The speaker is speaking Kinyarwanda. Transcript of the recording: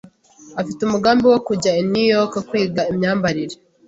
Afite umugambi wo kujya i New York kwiga imyambarire.